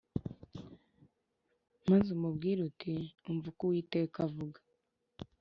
Maze umubwire uti ‘Umva uko Uwiteka avuga